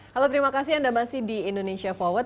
halo terima kasih anda masih di indonesia forward